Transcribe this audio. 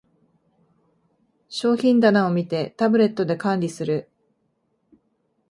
商品棚を見て、タブレットで管理する